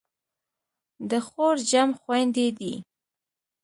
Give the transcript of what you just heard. د خور جمع خویندې دي.